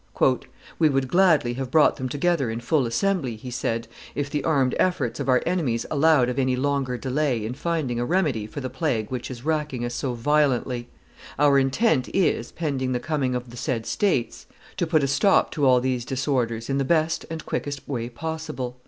"We would gladly have brought them together in full assembly," he said, "if the armed efforts of our enemies allowed of any longer delay in finding a remedy for the plague which is racking us so violently; our intent is, pending the coming of the said states, to put a stop to all these disorders in the best and quickest way possible."